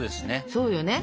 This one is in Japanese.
そうよね。